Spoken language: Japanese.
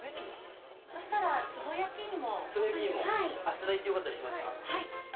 いただいてよかったりしますか？